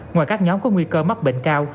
ngoài các nhóm có nguy cơ mắc bệnh cao